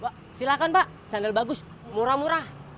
pak silakan pak sandal bagus murah murah